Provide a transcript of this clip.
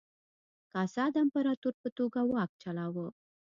کاسا د امپراتور په توګه واک چلاوه.